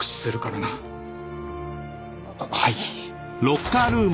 はい。